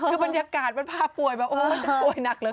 คือบรรยากาศมันพาป่วยแบบโอ้ฉันป่วยหนักเลย